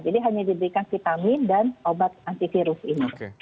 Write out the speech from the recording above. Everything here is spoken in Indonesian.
jadi hanya diberikan vitamin dan obat antivirus ini